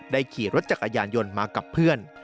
ขี่รถจักรยานยนต์มากับเพื่อน